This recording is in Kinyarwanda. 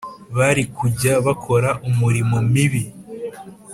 bari kujya bakora umurimo mibi